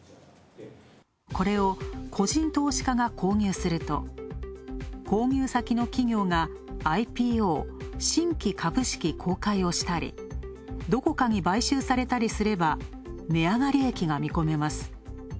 これを個人投資家が購入すると、購入先の企業がＩＰＯ＝新規株式公開をしたり、どこかに買収されたりすれば、値上がり益が見込めます。